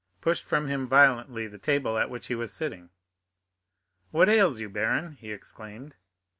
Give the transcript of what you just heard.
pushed from him violently the table at which he was sitting. "What ails you, baron?" he exclaimed.